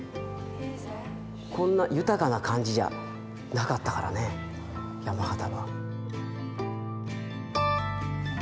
こんな豊かな感じじゃなかったからね山形は。